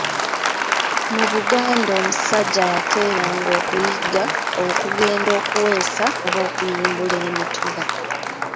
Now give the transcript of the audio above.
Mu Buganda omusajja yakeeranga okuyigga, okugenda okuweesa oba okuyimbula emituba.